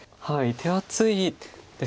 手厚いです。